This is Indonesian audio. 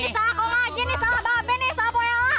ini salah kong haji ini salah babi ini salah boyola